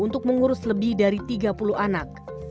untuk mengurus lebih dari tiga puluh anak